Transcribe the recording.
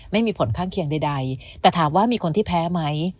ไม่มีผลข้างเคียงใดแต่ถามว่ามีคนที่แพ้ไหม